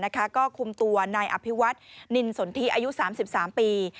ก็คุมตัวนายอภิวัตนินสนทิอายุ๓๓ปี